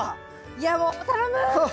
いやもう頼む！